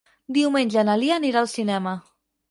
Diumenge na Lia anirà al cinema.